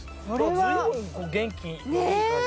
随分元気のいい感じ。